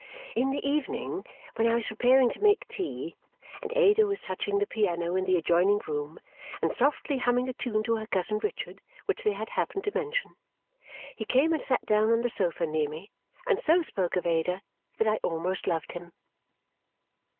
In the evening, when I was preparing to make tea and Ada was touching the piano in the adjoining room and softly humming a tune to her cousin Richard, which they had happened to mention, he came and sat down on the sofa near me and so spoke of Ada that I almost loved him.